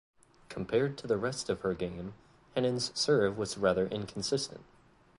Compared to the rest of her game, Henin's serve was rather inconsistent.